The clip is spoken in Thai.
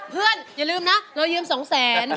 เพื่อนอย่าลืมนะเรายืมสองแสน